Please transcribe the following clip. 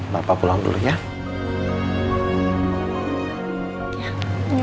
bapak pulang dulu ya